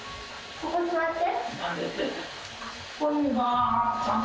ここ座って。